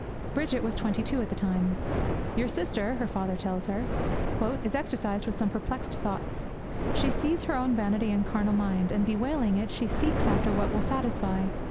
Bridget was twenty two at the time. 'Your sister,' her father tells her, 'is exercised with some perplexed thoughts. She sees her own vanity and carnal mind, and, bewailing it, she seeks after what will satisfy.